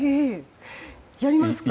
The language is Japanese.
やりますか？